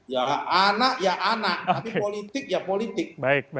ya anak ya anak tapi politik ya politik